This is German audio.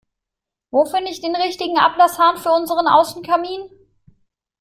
Wo finde ich den richtigen Ablasshahn für unseren Außenkamin?